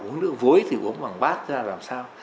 uống nước vối thì uống bằng bát ra làm sao